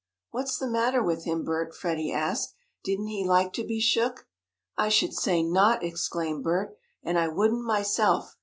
"What's the matter with him, Bert?" Freddie asked. "Didn't he like to be shook?" "I should say not!" exclaimed Bert "And I wouldn't myself.